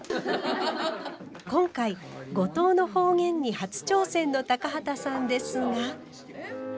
今回五島の方言に初挑戦の高畑さんですが。